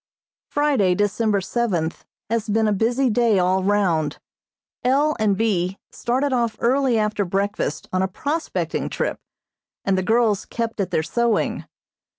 Friday, December seventh, has been a busy day all round. L. and B. started off early after breakfast on a prospecting trip, and the girls kept at their sewing.